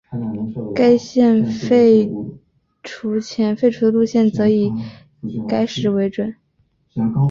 该线废除前废除的路线则以该时为准。